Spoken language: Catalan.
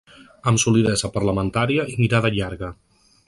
Amb solidesa parlamentària i mirada llarga.